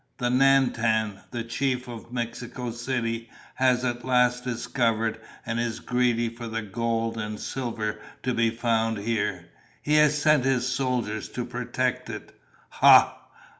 The Nan Tan, the chief, of Mexico City has at last discovered and is greedy for the gold and silver to be found here. He has sent his soldiers to protect it. Ha!"